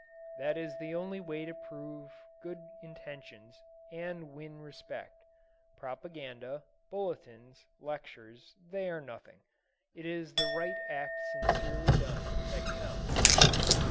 That is the only way to prove good intentions and win respect. Propaganda, bulletins, lectures they are nothing. It is the right act sincerely done that counts.